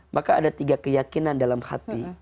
maka ada tiga keyakinan dalam hati